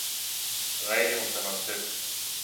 غیرمتناسب